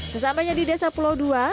sesampainya di desa pulau dua